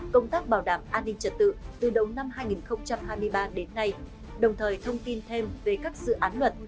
công tác bảo đảm an ninh trật tự từ đầu năm hai nghìn hai mươi ba đến nay đồng thời thông tin thêm về các dự án luật